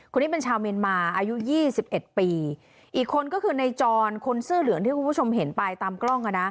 คนนี้เป็นชาวเมียนมาอายุยี่สิบเอ็ดปีอีกคนก็คือในจรคนเสื้อเหลืองที่คุณผู้ชมเห็นไปตามกล้องอ่ะนะ